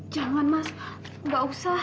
jangan mas gak usah